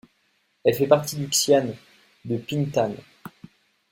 Elle fait partie du Xian de Pingtan.